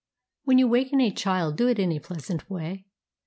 When you waken a child do it in a pleasant way.